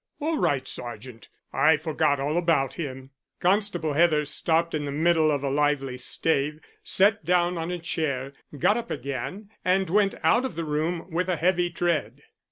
"All right, sergeant, I forgot all about him." Constable Heather stopped in the middle of a lively stave, sat down on a chair, got up again, and went out of the room with a heavy tread.